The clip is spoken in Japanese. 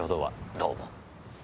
どうも。